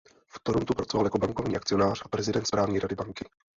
V Torontu pracoval jako bankovní akcionář a prezident správní rady banky.